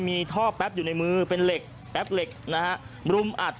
มีท่อแป๊บอยู่ในมือเป็นเหล็กแป๊บเหล็กนะฮะรุมอัด